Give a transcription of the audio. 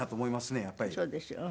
そうでしょう。